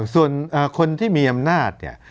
ส่วนคนที่มีอำนาจเนี่ย